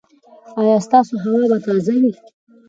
ایا ستاسو هوا به تازه وي؟